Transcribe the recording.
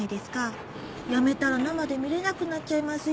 辞めたら生で見れなくなっちゃいますよ。